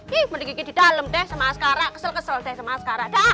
hih mandi kiki di dalam deh sama askara kesel kesel deh sama askara daah